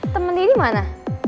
temen daddy mana